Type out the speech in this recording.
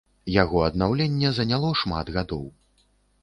Яго аднаўленне заняло шмат гадоў.